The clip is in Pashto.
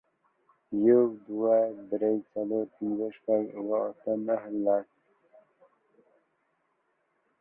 يوه، دوو، درو، څلورو، پنځو، شپږو، اوو، اتو، نهو، لسو